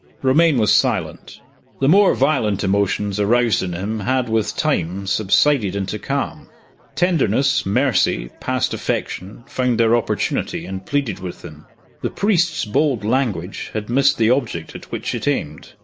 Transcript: Romayne was silent. The more violent emotions aroused in him had, with time, subsided into calm. Tenderness, mercy, past affection, found their opportunity, and pleaded with him. The priest's bold language had missed the object at which it aimed.